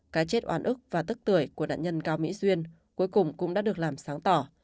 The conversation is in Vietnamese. cái chết oán ức và tức tưởi của đạn nhân cao mỹ duyên cuối cùng cũng đã được làm sáng tỏ